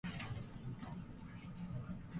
コロナになったナリ